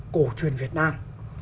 cổ truyền việt nam